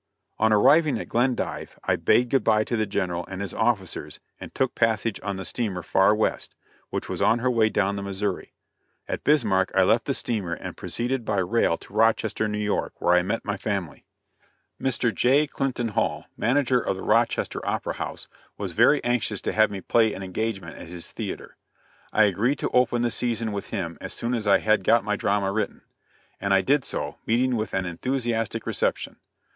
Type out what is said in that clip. On arriving at Glendive I bade good bye to the General and his officers and took passage on the steamer Far West, which was on her way down the Missouri. At Bismarck I left the steamer, and proceeded by rail to Rochester, New York, where I met my family. Mr. J. Clinton Hall, manager of the Rochester Opera House, was very anxious to have me play an engagement at his theatre. I agreed to open the season with him as soon as I had got my drama written; and I did so, meeting with an enthusiastic reception.